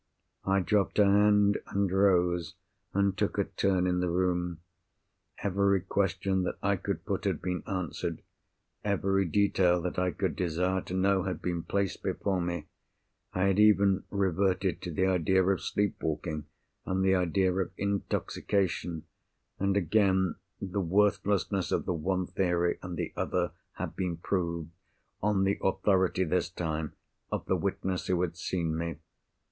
I dropped her hand, and rose, and took a turn in the room. Every question that I could put had been answered. Every detail that I could desire to know had been placed before me. I had even reverted to the idea of sleep walking, and the idea of intoxication; and, again, the worthlessness of the one theory and the other had been proved—on the authority, this time, of the witness who had seen me.